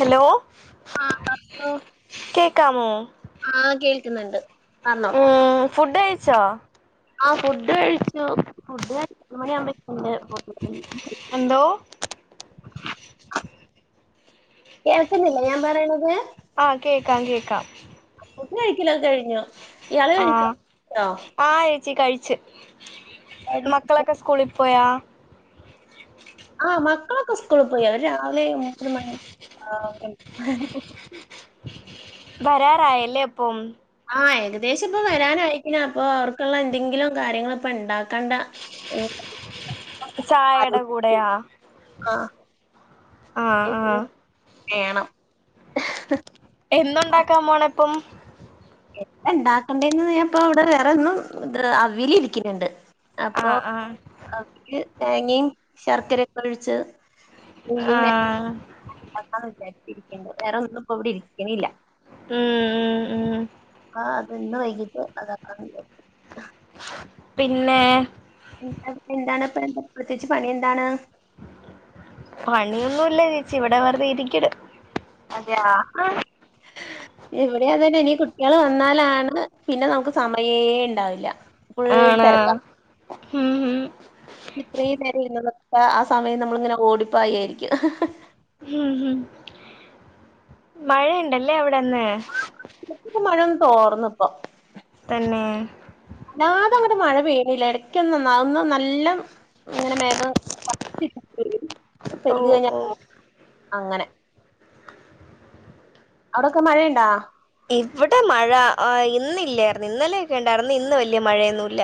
Hello? ആ പറഞ്ഞോ. കേക്കാമോ? ആഹ് കേൾക്കുന്നുണ്ട്. പറഞ്ഞോ മ്മ് ഫുഡ് കഴിച്ചോ? ആ ഫുഡ് കഴിച്ചു ഫുഡ് രണ്ട് മണിയാവുമ്പഴ്ക്ക്‌. [inaudible] എന്തോ കേൾക്കുന്നില്ലേ ഞാൻ പറയണത്. ആഹ് കേക്കാം കേക്കാം. ഫുഡ്‌ കഴിക്കലൊക്കെ കഴിഞ്ഞു ഇയാള് കഴിച്ചോ? ആയേച്ചി കഴിച്ച്. ച്ചോ മക്കളൊക്കെ സ്കൂളി പോയാ? ആഹ് മക്കളൊക്കെ സ്കൂള് പോയി. അവര് രാവിലെ മൂന്ന് മണി ആ വരാറായല്ലേ അപ്പം. ആഹ് ഏകദേശം ഇപ്പ വരാനായിക്കിന് അപ്പൊ അവർക്കുള്ള എന്തെങ്കിലും കാര്യങ്ങള് ഇപ്പൊ ഇണ്ടാക്കണ്ട. മ്മ് ചായടെ കൂടെയാ ആ ആ ആഹ് എന്തെങ്കിലും വേണം. എന്തുണ്ടാക്കാൻ പോണേ ഇപ്പം. എന്താണ്ടാക്കണ്ടേന്ന് ഞാന്പ്പോ അവടെ വേറൊന്നും അവീലിരിക്ക്‌ന്നുണ്ട്. ആ അപ്പൊ ആ അതില് തേങ്ങയും ശർക്കരയൊകെ ഒഴിച്ച്. ആ നണ്ടാക്കന്ന് [unintelligible] വിചാരിച്ചിരിക്ക വേറൊന്നുപ്പോ ഇവിടെ ഇരിക്കണില്ല. മ്മ് ആഹ് അപ്പൊ ഇന്ന് വൈകീട്ട് അതാക്കാ വിചാരിച്ച്. പിന്നെ എന്താണ് ഇപ്പ എന്താ പ്രത്യേകിച്ച് പണിയെന്താണ്. പണിയൊന്നുല്ലാ ചേച്ചി ഇവിടെ വെറുതെയിരിക്കണ്. അതെയാ ആ ഇവിടിയതന്നെ ഇനി കുട്ട്യാള് വന്നാലാണ്. പിന്നെ നമുക്ക് സമയേണ്ടാവില്ല. ആണോ ഉം ഉം ഇത്രയും നേരം ഇരുന്നതൊക്ക ആ സമയം നമ്മളിങ്ങനെ ഓടിപ്പായിയിരിക്കും. മ്മ്ഹ് മഴയുണ്ടല്ലേ അവിടെ ഇന്ന്. ഇപ്പൊ മഴയൊന്ന് തോർന്നിപ്പം. തന്നെ വല്ലാതങ്ങട് മഴ പെയ്യണില്ല ഇടക്കൊന്ന് ആ ഒന്ന് നല്ലം ഇങ്ങനെ മേഘം ക്ക് ഓ കഴിഞ്ഞാ ഓ അങ്ങനെ [unintelligible] അവടൊക്കെ മഴയ്ണ്ടാ ഇവടെ മഴ ആ ഇന്നില്ലായിരുന്നു ഇന്നലെയൊക്കെണ്ടായിരുന്നു ഇന്ന് വല്ല്യ മഴയൊന്നുല്ല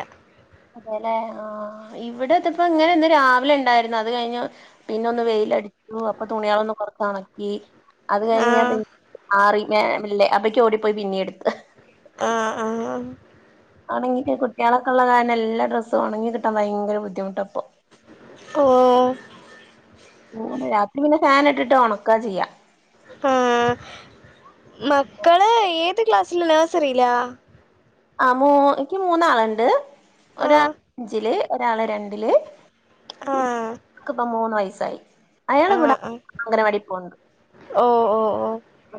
അതെല്ലെ ആ ഇവിടെതിപ്പ ഇങ്ങനെ ഇന്ന് രാവിലെ ഇണ്ടായിരുന്നു അത് കയിഞ്ഞു പിന്നൊന്ന് വെയിലടിച്ചു അപ്പൊ തുണിയാളൊന്ന് പൊർത്തൊണക്കി അത് കഴിഞ്ഞ ആഹ് പി ആറിൽമേം ഇല്ലേ അപ്പക്ക് ഓടിപ്പോയി പിന്നീം എട്ത്ത് ആഹ്‌ ആ ആണെങ്കി കുട്ട്യാളൊക്കെള്ള കാരണം എല്ല ഡ്രസ്സും ഒണങ്ങി കിട്ടാൻ ഭയങ്കര ബുദ്ധിമുട്ടപ്പൊ ഓ ഉം രാത്രി പിന്നെ ഫാന് ഇട്ടിട്ട് ഒണക്കാ ചെയ്യാ ആഹ് മക്കള് ഏത് ക്ലാസില് നഴ്സറിലാ ആഹ് മൂ ഇൻക്ക് മൂന്നാള്ണ്ട് ആഹ് ഒരാളഞ്ചില് ഒരാള് രണ്ടില് ആഹ് ൻക്ക്പ്പം മൂന്ന് വയസ്സായി. അയാള് ഇവ്ട ആഹ് ആഹ് അങ്കനവാടി പോവ്ണ്ട് ഓ ഓ ഓ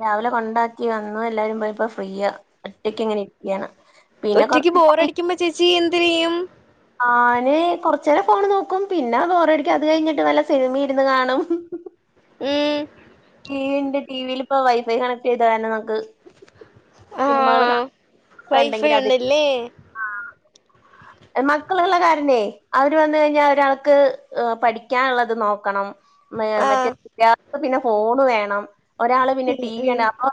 രാവിലെ കൊണ്ടാക്കി വന്നു. എല്ലാരും പോയപ്പോ ഫ്രീയ, ഒറ്റക്കിങ്ങനെ ഇരിക്കയാണ് പിന്നെ ഒറ്റയ്ക്ക് കൊറച്ച് ബോറടിക്കുമ്പോ ചേച്ചി എന്തരെയ്യും ഞാന് കൊർചേരം ഫോണ് നോക്കും. പിന്നെ ബോറടിക്കും അത് കഴിഞ്ഞിട്ട് വല്ല സിനിമിം ഇരുന്ന് കാണും ഉം ടി വി ണ്ട് ടിവില് പ്പോ വൈഫൈ കണക്ട് ചെയ്ത കാരണം നമുക്ക് സിനിമകൾ ആഹ് കാണാം വൈഫൈ ഉണ്ടല്ലേ മക്കളുള്ള കാരണേ അവര് വന്ന് കഴിഞ്ഞാ ഒരാൾക്ക് പഠിക്കാനുള്ളത് നോക്കണം മ ആഹ് മറ്റേ ആക്ക് പിന്നെ ഫോണ് വേണം ഒരാള് പിന്നെ ഉം ടി വി കാണ ഉം അപ്പം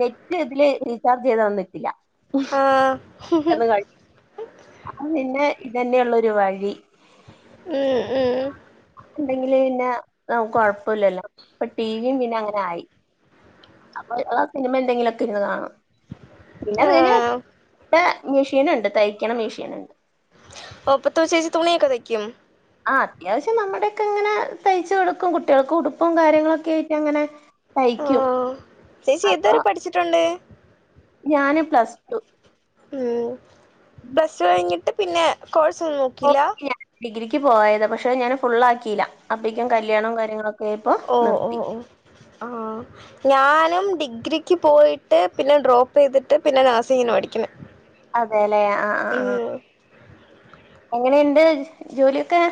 നെറ്റ് ഇതില് റീചാർജ് ചെയ്ത ഒന്നി ക്കില്ല ആഹ് പെട്ടെന്ന് കഴിയും അപ്പം പിന്നെ ഇതന്നെള്ളു ഒരു വഴി ഊം ഉം ഉം ണ്ടെങ്കില് പിന്നെ കൊഴപ്പെല്ലല്ലോ ഇപ്പൊ ടിവിയും പിന്നെ അങ്ങനെ ആയി അപ്പൊ ആഹ് സിനിമ എന്തെങ്കിലും ഒക്കെ ഇരുന്ന് കാണും പിന്നെ ആഹ് [unintelligible] ഇവിടെ മെഷീൻ ഉണ്ട് തയ്ക്കണ മെഷീന് ണ്ട് ഓപ്പൊത്തൊ ചേച്ചി തുണിയൊക്കെ തയ്ക്കും ആഹ്‌ അത്യാവശ്യം നമ്മുടെയക്കെ അങ്ങനെ തയ്ച്ച് കൊടുക്കും കുട്ടികൾക്ക് ഉടുപ്പും കാര്യങ്ങളൊക്കെ ആയിട്ടങ്ങനെ ഓ തയ്ക്കും ചേച്ചി ഏതുവരെ പഠിച്ചിട്ടുണ്ട് ഞാന് പ്ലസ് ടു ഉം പ്ലസ് ടു കഴിഞ്ഞിട്ട് പിന്നെ കോഴ്സ് ഒന്നും നോക്കില്ല ഞാൻ ഡിഗ്രിക്ക് പോയത പക്ഷെ ഞാൻ ഫുൾ ആക്കിയില്ല അപ്പേക്കും കല്യാണം കാര്യങ്ങളൊ ഓ ഓ ഓ ആഹ് ഞാനും ഡിഗ്രിക്ക് പോയിട്ട് പിന്നെ ഡ്രോപ്പെയ്തിട്ട് പിന്നെ നഴ്സിങ്ങിന് പഠിയ്ക്ക്‌ന്ന് അതേലേ ആഹ്‌ ആഹ്‌ ആഹ്‌ എങ്ങനെണ്ട് ജോലിയൊക്കെ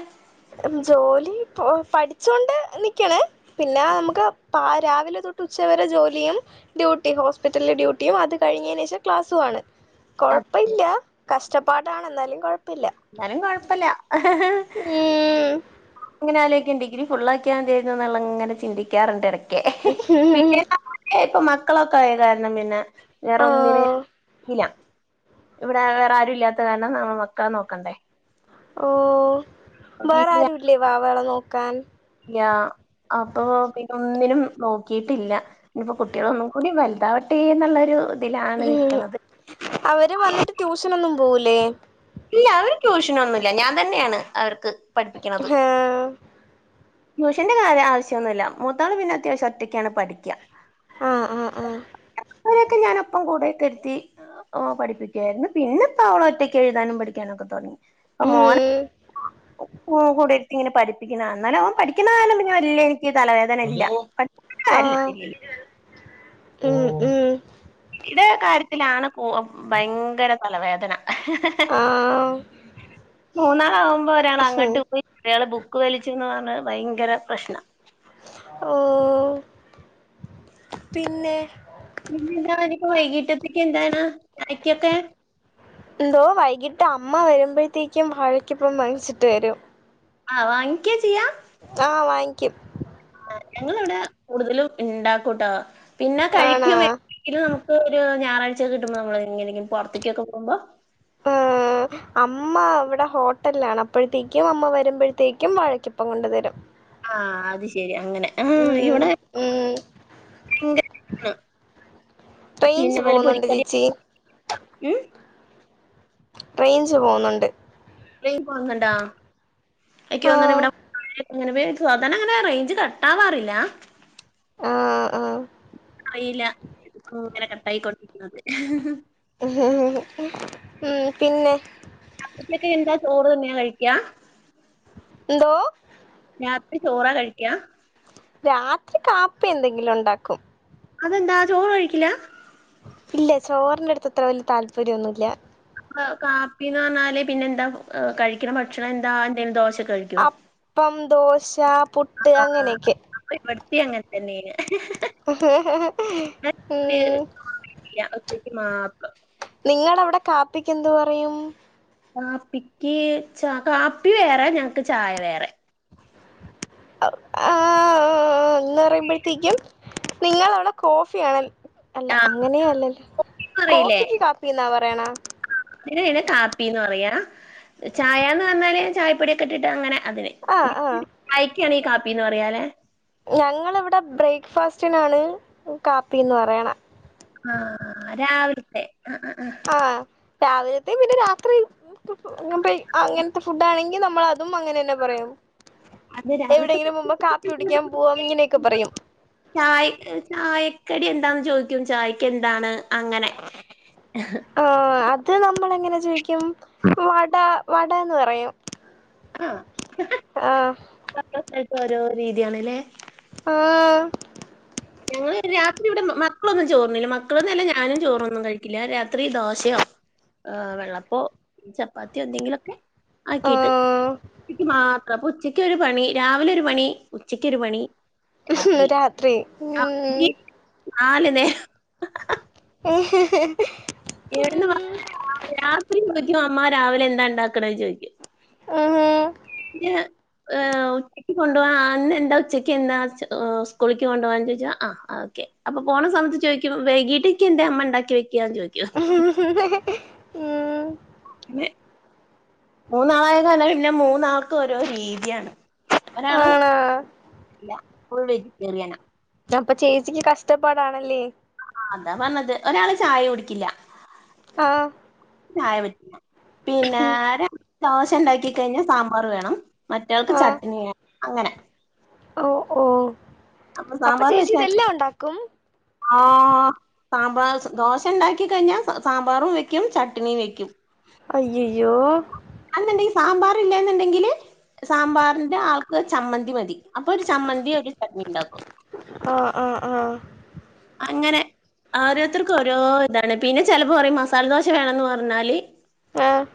ജോലി പോ പഠിച്ചോണ്ട് നിക്ക്ണ് പിന്നെ നമുക്ക് പാ രാവിലെ തൊട്ട് ഉച്ച വരെ ജോലിയും ഡ്യൂട്ടി ഹോസ്പിറ്റലിലെ ഡ്യൂട്ടിയും അത് കഴിഞ്ഞേനേശം ക്ലാസുവാണ് അതെ കൊഴപ്പില്ല കഷ്ടപ്പാടാണ് എന്നാലും കൊഴപ്പില്ല ന്നാലും കൊഴപ്പല്ല ഊം ങ്ങനെ ആലോയ്ക്കും ഡിഗ്രി ഫുള്ളാ ക്കിയാ മതിയേന്നു ന്നുള്ള അങ്ങനെ ചിന്തിക്കാറുണ്ട് എടക്ക് പിന്നെ ഈപ്പൊ മക്കളൊക്കെ ആയ കാരണം പിന്നെ വേറൊന്നിന് ആഹ് ഇല്ല ഇവിടെ വേറാരും ഇല്ലാത്ത കാരണം നാമ മക്കളെ നോക്കണ്ടേ ഓഹ്‌ ബേറാരും ഇല്ലേ വാവകളെ നോക്കാൻ ല്ലാ അപ്പൊ പിന്നൊന്നിനും നോക്കിട്ടില്ല നിപ്പോ കുട്ട്യള് ഒന്നും കൂടി വൽതാവട്ടെന്ന്ള്ളൊരു തിലാണ് ഉം നിക്ക്‌ണത് അവര് വന്നിട്ട് ട്യൂഷന് ഒന്നും പോവൂലേ? ഇല്ല അവര് ട്യൂഷന് ഒന്നുംല്ല ഞാൻ തന്നെയാണ് അവർക്ക് പഠിപ്പിയ്ക്ക്ണത്. ഹേ ട്യൂഷന്റെ കാര്യം ആവശ്യൊന്നുല്ല മൂത്താള് പിന്നെ അത്യാവശം ഒറ്റയ്ക്കാണ് പഠിയ്ക്ക. ആഹ് ആഹ് ആഹ് രൊക്കെ ഞാനൊപ്പം കൂടെയൊക്കെ ഇര്ത്തി ഓ പഠിപ്പിക്യായിരുന്നു പിന്നെപ്പ അവള് ഒറ്റയ്ക്ക് എഴുതാനും പഠിക്കാനൊക്കെ തൊടങ്ങി. പ്പം ഉം മോന് ഒപ്പംകൂടിയിരുത്തി ഇങ്ങനെ പഠിപ്പിക്കണം എന്നാലെ ഓൻ പഠി പഠിപ്പിക്കണ കാര്യം വല്യ എനിക്ക് തലവേദന ഇല്ല പഠിപ്പിക്ക്ണ ആഹ് കാര്യത്തില് ഉം ഉം ഇത കാര്യത്തിലാണ് ഭയങ്കര തലവേദന ആഹ് മൂന്നാള ആകുമ്പോൾ ഒരാണ് അങ്ങോട്ട് പോയിയാള് ബുക്ക് ബക്ക് വലിച്ച എന്നതാണ് ഭയങ്കര പ്രശ്ന ഊൗ പിന്നെ പിന്നെന്താനിക്ക് വൈകീട്ടത്തേക്ക് എന്താണ് അയ്ക്കൊക്കെ എന്തോ വൈകിട്ട് അമ്മ വരുമ്പോഴത്തേക്കും വാഴക്കിപ്പം വാങ്ങിച്ചിട്ട് വരും ആ വാങ്ങിക്കാ ചെയ്യാ ആഹ് വാങ്ങിക്കും. ഞങ്ങവിടെ കൂടുതലും ഉണ്ടാക്കൂട്ടോ പിന്നെ ആണാ കഴിക്കും ഇനി നമുക്ക് ഒരു ഞായറാചൊക്ക കിട്ടുമ്പോ നമ്മങ്ങനെങ്കും പുറത്തേക്കൊക്കെ പോകുബോ ആ അമ്മ ഇവിടെ ഹോട്ടലാണ് അപ്പോഴത്തേക്കും അമ്മ വരുമ്പോഴത്തേക്കും വഴക്കിപ്പം കൊണ്ടു തരും. ആഹ അത് ശെരി അങ്ങനെ ആഹ ഉം ഇവിടെ ഉം റേഞ്ച് പിന്നെ വല്ല പോകുന്നുണ്ട് പൊരിക്കട ചേച്ചി ഉം റെയിൻച് പോകുന്നുണ്ട്. എജ് പോന്നണ്ടാ ഒക്കന്ന ആഹ് ഇവിടെ സാധരണ അങ്ങനെ റേഞ്ച് കട്ടാവാറില്ല ആഹ അഹ് അറിയില്ല ഇങ്ങനെ കട്ടായി കൊണ്ടിരിക്കുന്നത് ഉ ഉ പിന്നെ ഉച്ചക്ക് എന്താ ചോറ് തന്നെയാ കഴിക്കാ എന്തോ രാത്രി ചോറ കഴിക്കാ രാത്രി കാപ്പി എന്തെങ്കിലും ഉണ്ടാക്കും. അതെന്താ ചോറ് കഴിക്കില്ല ഇല്ല ചോറിന്റെ അടുത്ത് അത്ര വലിയ താല്പര്യംന്നുമല്ല. കാപ്പിന്ന് പറഞ്ഞാല് പിന്നെ എന്താ കഴിക്കണ ഭക്ഷണം എന്താ എന്തേലും ദോശക്കെ കഴിക്കോ അപ്പം ദോശ പുട്ട് അങ്ങനെയൊക്കെ ഇവിടിത്തിം അങ്ങനെ തന്നെയന് ഉം ഇല്ല മാപ്പ് നിങ്ങള അവിടെ കാപ്പിക്ക് എന്ത് പറയും. കാപ്പിക്ക് ച കാപ്പി വേറെ ഞങ്ങക്ക് ചായ വേറെ ആ എന്ന് പറയുമ്പോഴത്തേക്കും നിങ്ങളവിടെ കോഫി ആണല്ല അല്ല ആ അങ്ങനെയ അല്ലല്ല കോഫിന്ന് കോഫിക്ക് കാപ്പി എന്നാ പറയണ [unintelligible] കാപ്പിന്ന് പറയാ ചായന്ന് പറഞ്ഞാല് ചായപ്പൊടിയൊക്കെ ഇട്ടിട്ട് അങ്ങനെ അതിന് ആഹ് ആഹ് ക്കാണ് ഈ കാപ്പിന്ന് പറയാലെ ഞങ്ങളിവിടെ ബ്രേക്ക്ഫാസ്റ്റിനാണ് കാപ്പിന്ന് പറയണ ആഹ രാവിലത്തെ അ അ അ ആ രാവിലത്തെയ പിന്നെ രാത്രി അങ്ങനത്തെ ഫുഡ് ആണെങ്കിൽ നമ്മൾ അതും അങ്ങനെ തന്നെ പറയാ അത് രാവിലത്തെ എവിടെങ്കിലും മുമ്പ് കാപ്പി കുടിക്കാൻ പോവാം ഇങ്ങനെയൊക്കെ പറയും ചായ ചായക്കടി എന്താന്ന് ചോദിക്കും ചായക്ക് എന്താണ് അങ്ങനെ ആഹ് ആഹ് അത് നമ്മൾ എങ്ങനെ ചോദിക്കും വട വടന്ന് പറയും ആഹ് ആഹ് ഓരോരുത്തർക്കും ഓരോ രീതിയണല്ലേ ആഹ് ഞങ്ങള് രാത്രി ഇവിടെ മക്കളൊന്നും ചോറുണ്ണില്ല മക്കളൊന്നും അല്ല ഞാനും ചോറൊന്നും കഴിക്കില്ല രാത്രി ദോശയോ ആഹ് വെള്ളപ്പോ ചപ്പാത്തിയോ എന്തെങ്കിലൊക്കേ ആഹ് കെട്ട് നിക്ക് മാത്ര പൊ ഉച്ചക്ക് ഒരു പണി രാവിലെ ഒരു മണി ഉച്ചക്കൊരു മണി രാത്രി ആഹ് ഉം ഇ നാല് നേ ഉം ഇവിടുന്ന് [unintelligible] രാത്രി ചോദിക്കും അമ്മ രാവിലെ എന്താ ഉണ്ടാക്കണേന്ന് ചോയിക്കും [unintelligible] ആഹ് ഉച്ചക്ക് കൊണ്ടപോ ഇന്ന് എന്താ ഉച്ചക്ക് എന്താ സ്കൂളിക്ക് കൊണ്ടുപോവാന്ന് ചോദിച്ച ആഹ് ഓക്കെ അപ്പൊ പോണ സമയത്ത് ചോദിക്കും വൈകീട്ട് നിക്ക് ന്തേ അമ്മ ഇണ്ടാക്കി വെയ്ക്കാ ചോയിക്കും [inaudible] പിന്നെ മൂന്നാളായ കാരണ പിന്നെ മൂന്നാൾക്ക് ഓരോ രീതിയാണ് ഒരാള് ആണോ ല്ല ഫുൾ വെജിറ്റേറിയന ദാ പ്പൊ ചേച്ചിക്ക് കഷ്ടപ്പാടാണല്ലേ അതാ പറണത് ഒരാള് ചായ കുടിക്കില്ല ആഹ് ചായ പറ്റില്ല ഹും പിന്നാര ദോശ ഇണ്ടാക്കി കഴിഞ്ഞാ സാമ്പാറ് വേണം മറ്റാൾക്ക് ചട്ണി അങ്ങനെ ഓഹ് ഓഹ് അപ്പൊ സാമ്പാർ ചേച്ചി വെച്ചാല് ഇതെല്ലാം ഉണ്ടാക്കും ആഹ് സാമ്പാറ് ദോശ ഇണ്ടാക്കി കഴിഞ്ഞാ സാമ്പാറും വെയ്ക്കും ചട്ണിയും വെയ്ക്കും അയ്യയ്യോ അന്നെണ്ടെങ്കി സാമ്പാർല്ലെന്നുണ്ടെങ്കില് സാമ്പാറിന്റെ ആൾക്ക് ചമ്മന്തി മതി അപ്പൊ ഒരു ചമ്മന്തി ഒരു ചട്നി ഇണ്ടാക്കും ആഹ് ആഹ് ആഹ് അങ്ങനെ ആഹ് ഓരോരുത്തർക്കും ഓരോ ഇതാണ് പിന്നെ ചിലപ്പോ പറയും മസാല ദോശ വേണന്ന് പറണാല് ആഹ്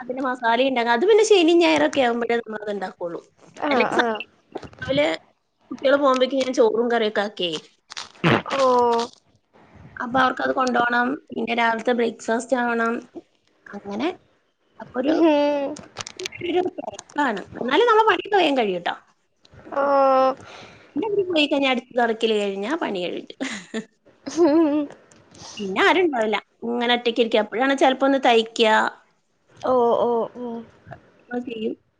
അതിന് മസാല ഇണ്ടാക അത് പിന്നെ ശനി ഞായരൊക്കെ ആവുമ്പോഴേ നമ്മ അത് ഇണ്ട ഒള്ളു അല്ല ആഹ് ആഹ് രാവിലെ കുട്ടികള് പോകുമ്പോക്കേ ഞാൻ ചോറും കറിയൊക്കെ ആക്കിയേ ഓഹ് അപ്പൊ അവർക്കത് കൊണ്ടപോണം പിന്നെ രാവിലത്തെ ബ്രേക്ക്ഫാസ്റ്റ് ആവണം അങ്ങനെ അപ്പൊ ഒരു ഹും പ്രശ്നാണ് എന്നാലും നമ്മ പണിയൊക്കേ വേഗം കഴിയട്ടോ ആഹ് പിന്ന് അവര് പോയി കഴിഞ്ഞാ അടിക്കല് തുടക്കില് കഴിഞ്ഞാ പണി കഴിഞ്ഞു [inaudible] പിന്നെ ആരുണ്ടാവില്ല ഇങ്ങനെ ഒറ്റക്ക ഇരിക്ക അപ്പോഴാണ് ചെലപ്പോ ഒന്ന് തൈക്കാ ഓഹ് ഓഹ് [unintelligible]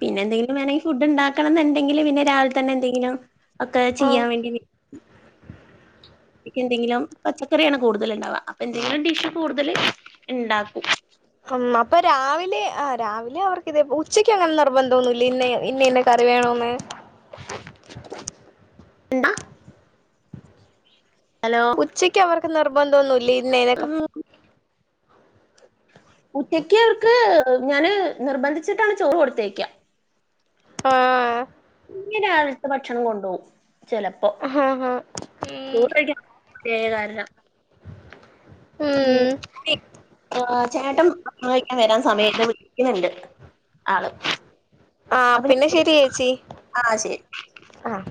പിന്നെ എന്തെങ്കിലും വേണങ്കി ഫുഡ് ഉണ്ടാക്കണം എന്നുണ്ടെങ്കില് പിന്നെ രാവിലെ തന്നെ എന്തെങ്കിലും ഒക്കെ ആഹ് ചെയ്യാൻ വേണ്ടി [unintelligible] എന്തെങ്കിലും പച്ചക്കറിയാണ് കൂടുതൽ ഇണ്ടാവുക അപ്പൊ എന്തെങ്കിലും ഡിഷ് കൂടുതൽ ഇണ്ടാക്കും ഉം അപ്പൊ രാവിലെ ആഹ് രാവിലെ അവർക്ക് ഇത് ഉച്ചക്ക് അങ്ങനെ നിർബന്ധം ഒന്നുമില്ല ഇന്ന ഇന്ന കറി വേണോന്ന് എന്താ ഹലോ ഉച്ചക്ക് അവർക്ക് നിർബന്ധം ഒന്നും ഇല്ല ഇന്നേതൊക്കെ ഉച്ചക്ക് അവർക്ക് ഞാന് നിർബന്ധിച്ചിട്ടാണ് ചോറ് കൊടുത്ത് അയ്ക്ക ആഹ് ചിക്കനാണെങ്കി ഭക്ഷണം കൊണ്ടു പോവും ചെലപ്പോ ആഹ് ആഹ് ഉം ചോറ് കഴിക്ക കേറാല്ലോ ഉം ചേട്ടൻ കഴിക്കാൻ വരാൻ സമയമായി വിളിക്കുന്നുണ്ട് ആള് ആഹ് അപ്പൊ പിന്നെ ശെരി ചേച്ചി ആഹ് ശരി. ആഹ്